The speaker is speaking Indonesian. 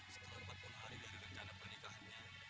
sekitar empat puluh hari dari rencana pernikahannya